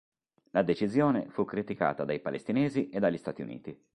La decisione fu criticata dai palestinesi e dagli Stati Uniti.